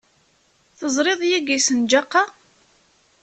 Teẓriḍ yagi ssenǧaq-a?